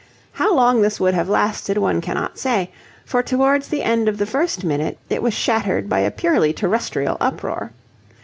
How long this would have lasted one cannot say: for towards the end of the first minute it was shattered by a purely terrestrial uproar.